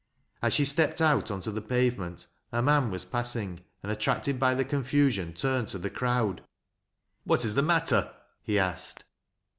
As she stepped out onto the pavement a man was pass ing, and, attracted by the confusion, turned to the crowd; " What is the matter ?" he asked.